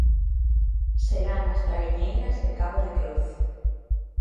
Serán as traiñeiras de Cabo de Cruz.